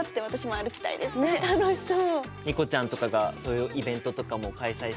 楽しそう。